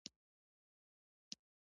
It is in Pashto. ښوونکی درس وايي – "وايي" فعل دی.